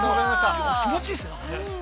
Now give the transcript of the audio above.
◆気持ちいいですね。